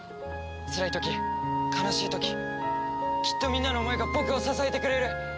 つらい時悲しい時きっとみんなの思いが僕を支えてくれる！